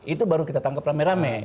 itu baru kita tangkap rame rame